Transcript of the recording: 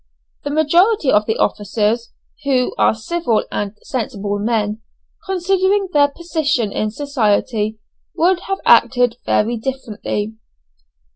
The majority of the officers who are civil and sensible men, considering their position in society would have acted very differently.